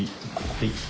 はい。